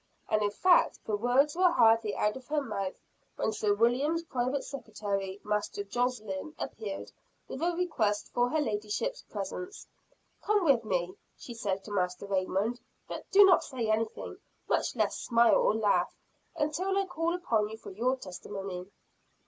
And in fact the words were hardly out of her mouth, when Sir William's private secretary, Master Josslyn, appeared, with a request for her ladyship's presence. "Come with me," said she to Master Raymond; "but do not say anything much less smile or laugh until I call upon you for your testimony."